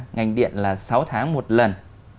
ngành điện là sáu tháng một lần